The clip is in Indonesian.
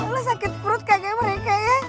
lu sakit perut kayaknya mereka ya